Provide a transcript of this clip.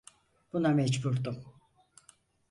Buna mecburdum.